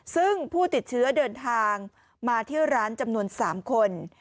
ซึ่งผู้ติดเชื้อเดินทางมาที่ร้านจำนวน๓คน